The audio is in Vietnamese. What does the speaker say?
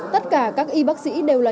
tất cả các y bác sĩ đều là